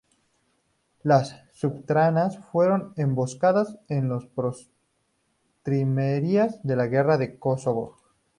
Las subtramas fueron esbozadas en las postrimerías de la Guerra de Kosovo.